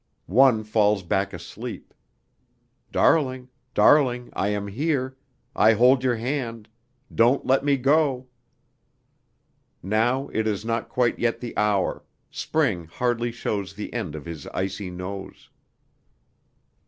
One falls back asleep.... Darling, darling, I am here, I hold your hand, don't let me go!... Now it is not quite yet the hour, spring hardly shows the end of his icy nose...."